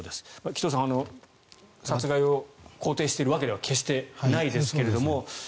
紀藤さん殺害を肯定しているわけでは決してないですが。